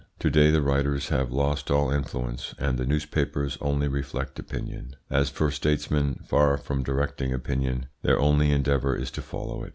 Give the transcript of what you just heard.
To day the writers have lost all influence, and the newspapers only reflect opinion. As for statesmen, far from directing opinion, their only endeavour is to follow it.